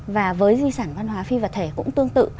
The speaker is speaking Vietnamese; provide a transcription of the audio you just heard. và với di sản văn hóa phi vật thể cũng tương tự